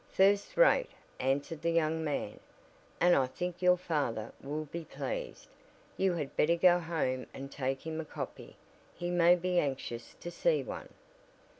"First rate," answered the young man, "and I think your father will be pleased. You had better go home and take him a copy, he may be anxious to see one."